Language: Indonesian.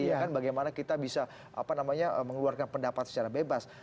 ya kan bagaimana kita bisa apa namanya mengeluarkan pendapat secara bebas